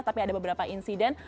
tapi ada beberapa insiden